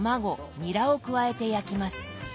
ニラを加えて焼きます。